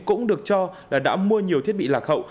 cũng được cho là đã mua nhiều thiết bị lạc hậu